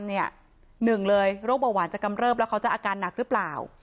หนึ่งเลยโรคเบาหวานจะกำเริบแล้วเขาจะอาการหนักหรือเปล่า